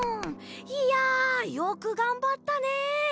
いやよくがんばったね！